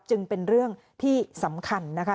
จึงเป็นเรื่องที่สำคัญนะคะ